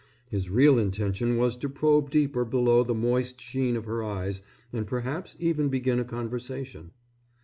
His real intention was to probe deeper below the moist sheen of her eyes and perhaps even begin a conversation.